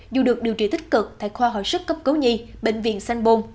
dù được điều trị tích cực tại khoa hội sức cấp cấu nhi bệnh viện sanbon